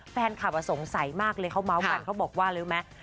แฟนคลับสงสัยมากเลยเขาเมาส์กันเขาบอกว่ารู้ไหม